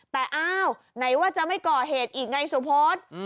แต่อ้าวไหนว่าจะไม่ก่อเหตุอีกไงสุพธ